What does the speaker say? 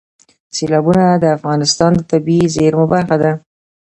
سیلابونه د افغانستان د طبیعي زیرمو برخه ده.